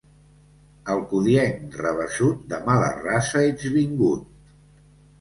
Alcudienc rabassut, de mala raça ets vingut.